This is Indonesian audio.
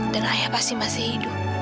dan ayah pasti masih hidup